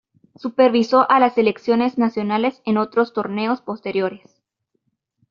Supervisó a las selecciones nacionales en otros torneos posteriores.